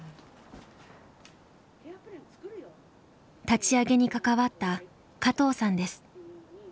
立ち上げに関わった加藤さんです。